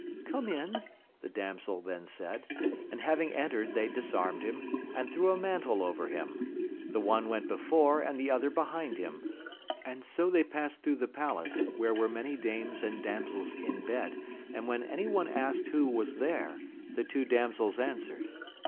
Come in, the damsel then said; and having entered they disarmed him, and threw a mantle over him, the one went before and the other behind him, and so they passed thro' the palace, where were many dames and damsels in bed, and when any one asked who was there, the two damsels answered.